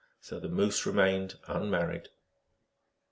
So the Moose remained unmarried.